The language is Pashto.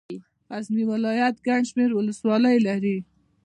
غزني ولايت ګڼ شمېر ولسوالۍ لري.